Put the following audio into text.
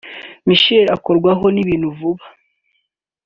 Michelle akorwaho n’ibintu vuba